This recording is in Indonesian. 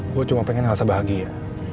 gue cuma pengen ngerasa bahagia